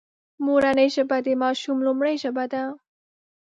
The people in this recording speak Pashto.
مورنۍ ژبه د ماشوم لومړۍ ژبه ده